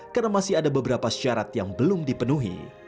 karena masih ada beberapa syarat yang belum dipenuhi